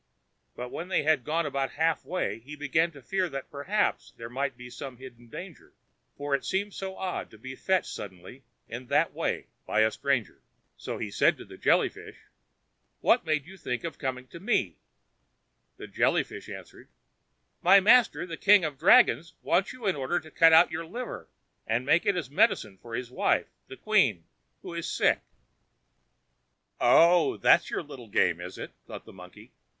But when they had gone about half way, he began to fear that perhaps there might be some hidden danger, for it seemed so odd to be fetched suddenly in that way by a stranger. So he said to the Jelly fish: "What made you think of coming for me?" The Jelly fish answered: "My master, the king of the dragons, wants you in order to cut out your liver, and give it as medicine to his wife, the queen, who is sick." "Oh! that's your little game, is it?" thought the monkey.